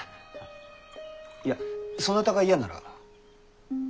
いやそなたが嫌なら。